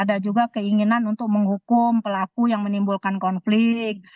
ada juga keinginan untuk menghukum pelaku yang menimbulkan konflik